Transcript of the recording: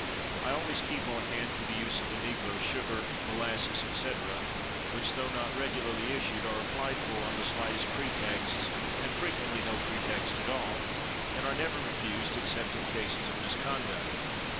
I always keep on hand, for the use of the negroes, sugar, molasses, &c., which, though not regularly issued, are applied for on the slightest pretexts, and frequently no pretext at all, and are never refused, except in cases of misconduct.